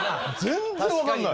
全然わかんない。